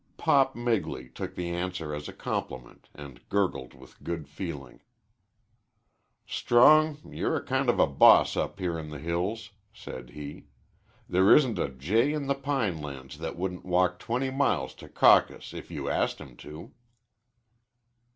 "Pop" Migley took the answer as a compliment and gurgled with good feeling. "Strong, you're a kind of a boss up here in the hills," said he. "There isn't a jay in the pine lands that wouldn't walk twenty miles to caucus if you asked him to."